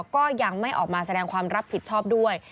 ก็ยังไม่ออกมาแสดงความรับผิดชอบด้วย